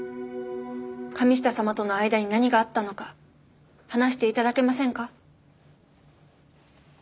神下様との間に何があったのか話して頂けませんか？